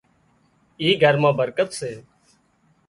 اي گھر مان برڪت سي